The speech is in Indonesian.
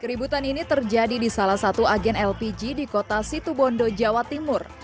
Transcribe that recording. keributan ini terjadi di salah satu agen lpg di kota situbondo jawa timur